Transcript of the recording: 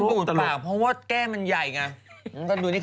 ดูดปากเพราะว่าแก้มันใหญ่ไง